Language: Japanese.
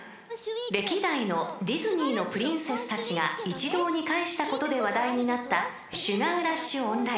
［歴代のディズニーのプリンセスたちが一堂に会したことで話題になった『シュガー・ラッシュ：オンライン』］